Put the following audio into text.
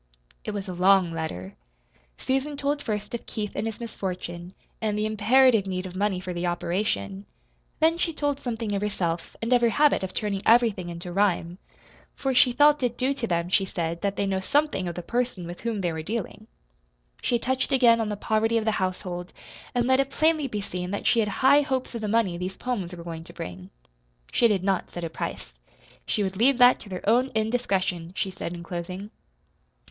It was a long letter. Susan told first of Keith and his misfortune, and the imperative need of money for the operation. Then she told something of herself, and of her habit of turning everything into rhyme; for she felt it due to them, she said, that they know something of the person with whom they were dealing. She touched again on the poverty of the household, and let it plainly be seen that she had high hopes of the money these poems were going to bring. She did not set a price. She would leave that to their own indiscretion, she said in closing.